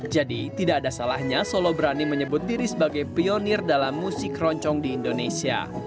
jadi tidak ada salahnya solo berani menyebut diri sebagai pionir dalam musik keroncong di indonesia